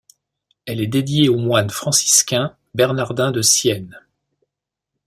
Elle est dédiée au moine franciscain Bernardin de Sienne.